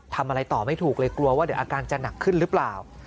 ทำอะไรต่อไม่ถูกเลยกลัวว่าเดี๋ยวอาการจะหนักขึ้นหรือเปล่า